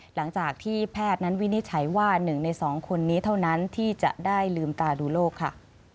หลังจากที่แพทย์นั้นวินิจฉัยว่า๑ใน๒คนนี้เท่านั้นที่จะได้ลืมตาดูโลกค่ะ